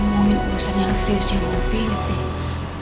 ngomongin urusan yang serius jangan ngopi gitu sih